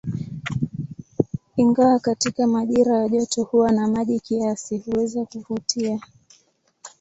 Ingawa katika majira ya joto huwa na maji kiasi, huweza kuvutia.